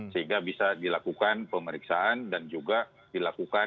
sehingga bisa dilakukan pemeriksaan dan juga dilakukan